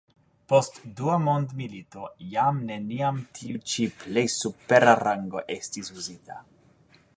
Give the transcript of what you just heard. Post dua mondmilito jam neniam tiu ĉi plej supera rango estis uzita.